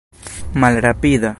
malrapida